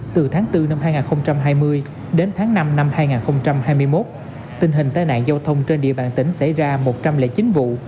từ tháng bốn năm hai nghìn hai mươi đến tháng năm năm hai nghìn hai mươi một tình hình tai nạn giao thông trên địa bàn tỉnh xảy ra một trăm linh chín vụ